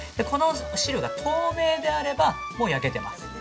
この汁が透明であれば、もう焼けてます。